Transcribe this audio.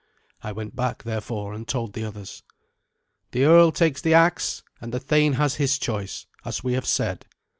I went back, therefore, and told the others. "The earl takes the axe, and the thane has his choice, as we have said."